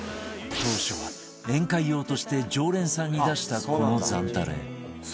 当初は宴会用として常連さんに出したこのザンタレ